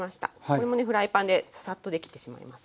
これもねフライパンでササッとできてしまいますので。